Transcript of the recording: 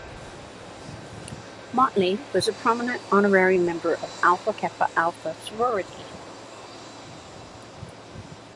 Motley was a prominent honorary member of Alpha Kappa Alpha sorority.